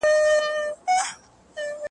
خوځېدلی به توپان وي `